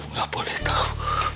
nggak boleh tahu